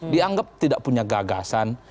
dianggap tidak punya gagasan